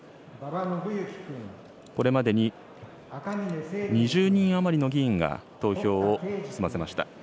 これまでに２０人余りの議員が投票を済ませました。